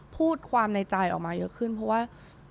พูดความในใจออกมาเยอะขึ้นเพราะว่า